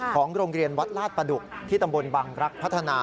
ของโรงเรียนวัดลาดประดุกที่ตำบลบังรักษ์พัฒนา